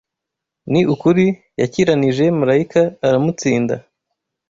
Ni ukuri yakiranije malayika, aramutsinda